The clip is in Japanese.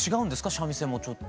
三味線もちょっと。